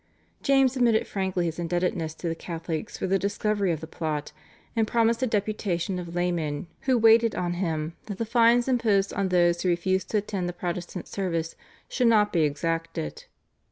James admitted frankly his indebtedness to the Catholics for the discovery of the plot, and promised a deputation of laymen who waited on him that the fines imposed on those who refused to attend the Protestant service should not be exacted.